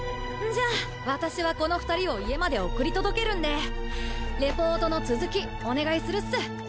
んじゃ私はこの二人を家まで送り届けるんでレポートの続きお願いするっす。